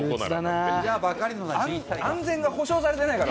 安全が保障されてないから。